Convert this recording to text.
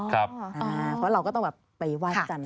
เพราะเราก็ต้องไปว่ายพระอาจารย์